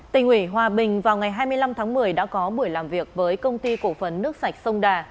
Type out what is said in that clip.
tỉnh ủy hòa bình vào ngày hai mươi năm tháng một mươi đã có buổi làm việc với công ty cổ phần nước sạch sông đà